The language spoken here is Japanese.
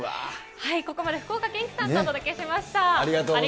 ここまで福岡堅樹さんとお届けしました。